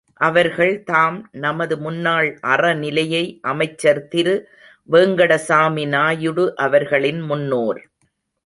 அவர்கள் தாம் நமது முன்னாள் அறநிலைய அமைச்சர் திரு வேங்கடசாமி நாயுடு அவர்களின் முன்னோர்.